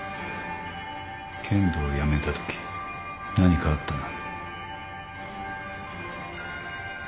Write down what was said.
剣道をやめたとき何かあったな？